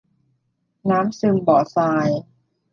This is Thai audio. น้ำซึมบ่อทราย